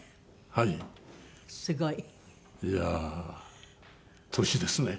はい。